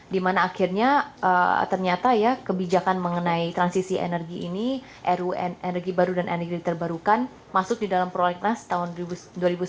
dimana akhirnya ternyata ya kebijakan mengenai transisi energi ini energi baru dan energi terbarukan masuk di dalam proyek nas dua ribu sembilan belas dua ribu dua puluh hingga tahun ini masuk